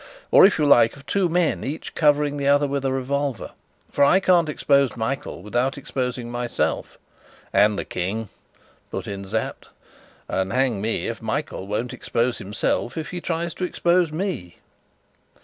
Or, if you like, of two men, each covering the other with a revolver. For I can't expose Michael without exposing myself " "And the King," put in Sapt. "And, hang me if Michael won't expose himself, if he tries to expose me!"